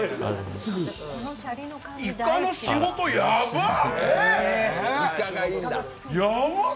イカの仕事、やばっ！